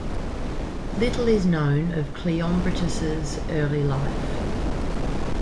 Little is known of Cleombrotus' early life.